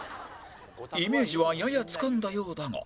イメージはややつかんだようだが